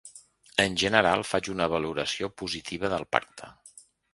En general, faig una valoració positiva del pacte.